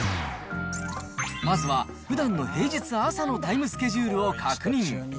まずは、ふだんの平日朝のタイムスケジュールを確認。